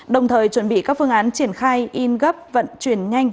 đồng thời chuẩn bị các phương án triển khai in gấp vận chuyển nhanh